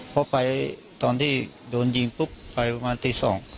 พอไปตอนที่โดนยิงปุ๊บไปประมาณตี๒